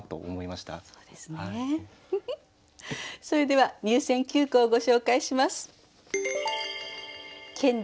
それでは入選九句をご紹介します。